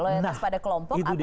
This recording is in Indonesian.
loyalitas pada kelompok atau